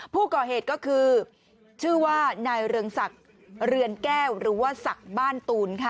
ผู้ก่อเหตุก็คือชื่อว่านายเรืองศักดิ์เรือนแก้วหรือว่าศักดิ์บ้านตูนค่ะ